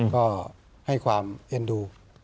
ก็ให้ความเอ็นดู